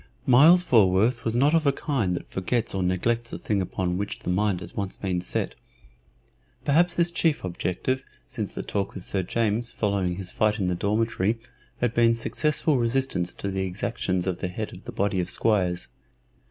Myles Falworth was not of a kind that forgets or neglects a thing upon which the mind has once been set. Perhaps his chief objective since the talk with Sir James following his fight in the dormitory had been successful resistance to the exactions of the head of the body of squires.